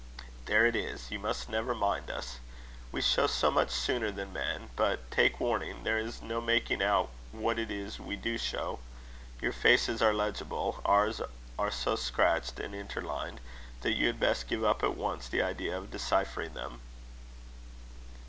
"There it is. You must never mind us. We show so much sooner than men but, take warning, there is no making out what it is we do show. Your faces are legible; ours are so scratched and interlined, that you had best give up at once the idea of deciphering them."